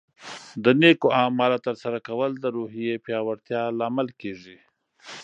د نیکو اعمالو ترسره کول د روحیې پیاوړتیا لامل کیږي.